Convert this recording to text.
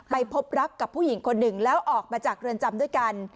ไปพบรักกับผู้หญิงคนหนึ่งแล้วออกมาจากเรือนจำด้วยกัน